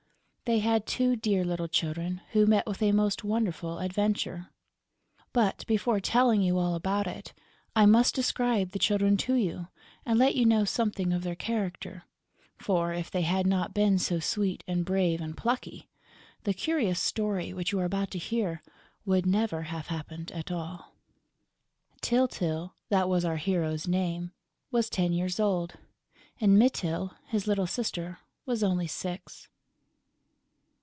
They had two dear little children who met with a most wonderful adventure. But, before telling you all about it, I must describe the children to you and let you know something of their character; for, if they had not been so sweet and brave and plucky, the curious story which you are about to hear would never have happened at all. Tyltyl that was our hero's name was ten years old; and Mytyl, his little sister, was only six.